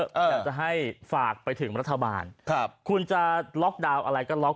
อยากจะให้ฝากไปถึงรัฐบาลครับคุณจะล็อกดาวน์อะไรก็ล็อก